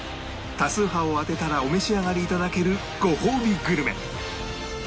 多数派を当てたらお召し上がり頂けるごほうびグルメ